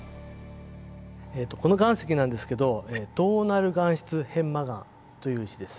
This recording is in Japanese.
この岩石なんですけどトーナル岩質片麻岩という石です。